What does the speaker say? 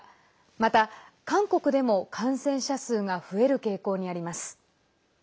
また、韓国でも感染者数が増える傾向にあります。